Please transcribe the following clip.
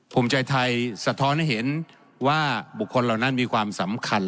ภูมิใจไทยสะท้อนให้เห็นว่าบุคคลเหล่านั้นมีความสำคัญ